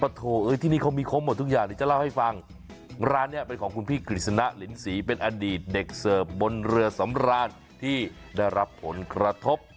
ที่นี่เขามีครบหมดทุกอย่างเดี๋ยวจะเล่าให้ฟังร้านนี้เป็นของคุณพี่กฤษณะลินศรีเป็นอดีตเด็กเสิร์ฟบนเรือสำราญที่ได้รับผลกระทบ